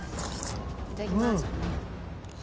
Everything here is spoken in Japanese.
いただきます。